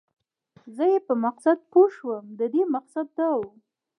زه یې په مقصد پوه شوم، د دې مقصد دا و.